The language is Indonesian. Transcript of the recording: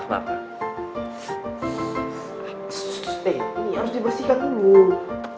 eh ini harus dibersihkan dulu